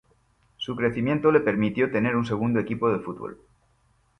Su crecimiento le permitió tener un segundo equipo de fútbol.